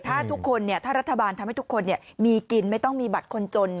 ถ้ารัฐบาลทำให้ทุกคนมีกินไม่ต้องมีบัตรคนจนนะ